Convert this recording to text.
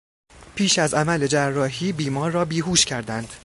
پیش از عمل جراحی بیمار را بیهوش کردند.